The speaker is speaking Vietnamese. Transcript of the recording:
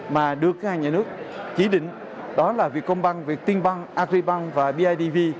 mà được nhà nước chỉ định đó là việc công băng việc tiên băng agribank và bidv